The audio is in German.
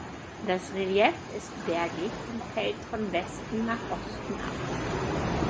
Das Relief ist bergig und fällt von Westen nach Osten ab.